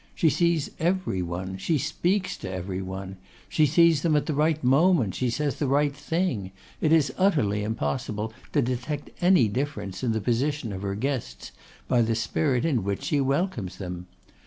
She sees every one; she speaks to every one; she sees them at the right moment; she says the right thing; it is utterly impossible to detect any difference in the position of her guests by the spirit in which she welcomes them.